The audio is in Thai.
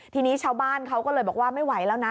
ทีนี้ชาวบ้านเขาก็เลยบอกว่าไม่ไหวแล้วนะ